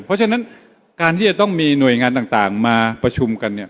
เพราะฉะนั้นการที่จะต้องมีหน่วยงานต่างมาประชุมกันเนี่ย